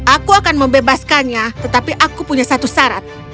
aku akan membebaskannya tetapi aku punya satu syarat